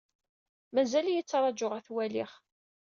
Mazal-iyi ttṛajuɣ ad t-waliɣ.